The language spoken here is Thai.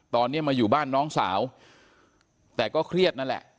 ตอนนี้มาอยู่บ้านน้องสาวแต่ก็เครียดนั่นแหละ